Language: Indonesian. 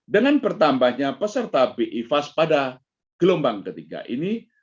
dengan bertambahnya peserta bi fas pada gelombang ketiga ini